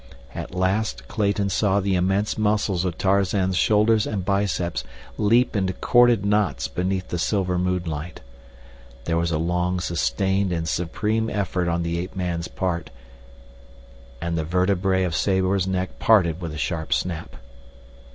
At last Clayton saw the immense muscles of Tarzan's shoulders and biceps leap into corded knots beneath the silver moonlight. There was a long sustained and supreme effort on the ape man's part—and the vertebrae of Sabor's neck parted with a sharp snap.